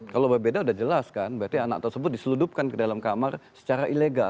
kalau berbeda sudah jelas kan berarti anak tersebut diseludupkan ke dalam kamar secara ilegal